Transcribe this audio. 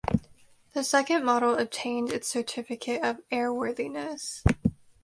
This second model obtained its certificate of airworthiness.